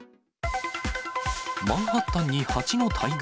マンハッタンに蜂の大群。